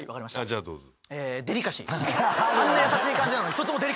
じゃあどうぞ。